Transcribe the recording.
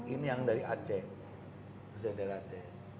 ini yang dari aceh